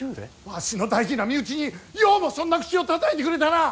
わしの大事な身内にようもそんな口をたたいてくれたな！